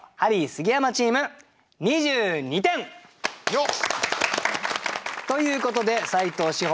よっ！ということで斉藤志歩